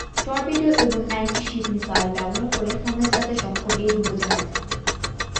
Torpedo এবং anti ship missile ব্যবহার করে হামলা চালাতে সক্ষম এই ডুবোজাহাজ।